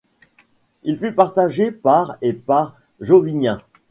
Il fut partagé par et par Jovinien.